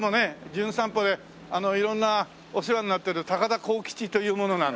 『じゅん散歩』で色んなお世話になってる高田浩吉という者なんでね。